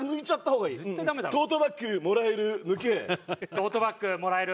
トートバッグもらえる。